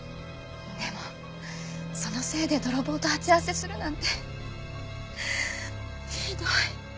でもそのせいで泥棒と鉢合わせするなんてひどい！